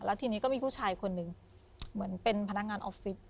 แล้วทีนี้ก็มีผู้ชายคนหนึ่งเหมือนเป็นพนักงานออฟฟิศ